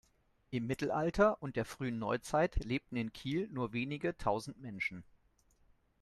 Im Mittelalter und der frühen Neuzeit lebten in Kiel nur wenige tausend Menschen.